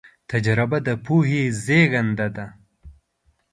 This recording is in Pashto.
تجربه د پوهې زېږنده ده.